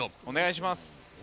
お願いします。